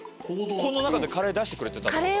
この中でカレー出してくれてたってこと？